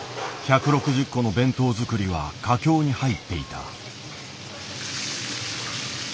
１６０個の弁当作りは佳境に入っていた。